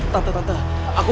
jangan dong bu